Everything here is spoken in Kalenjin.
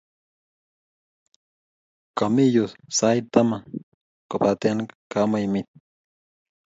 Kamii yu sait tamat kopate kemaimi.